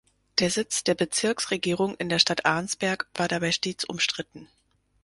Der Sitz der Bezirksregierung in der Stadt Arnsberg war dabei stets umstritten.